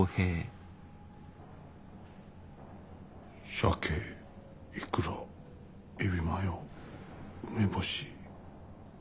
鮭いくらエビマヨ梅干し。